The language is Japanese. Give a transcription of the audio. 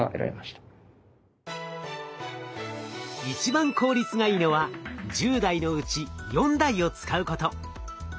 一番効率がいいのは１０台のうち４台を使うこと。